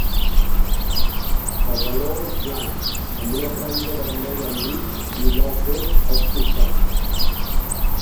El galó és blanc, amb una franja vermella al mig i blau fosc als costats.